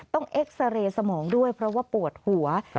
เอ็กซาเรย์สมองด้วยเพราะว่าปวดหัว